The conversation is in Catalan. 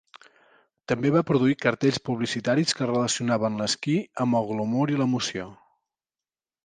També va produir cartells publicitaris que relacionaven l'esquí amb el glamur i l'emoció.